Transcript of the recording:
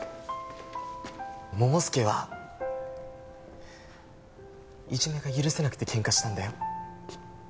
桃介はいじめが許せなくて喧嘩したんだよ。